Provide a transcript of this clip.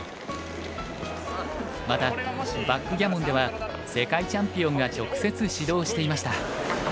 またバックギャモンでは世界チャンピオンが直接指導していました。